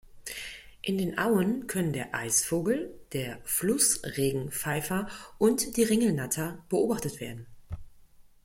In den Auen können der Eisvogel, der Flussregenpfeifer und die Ringelnatter beobachtet werden.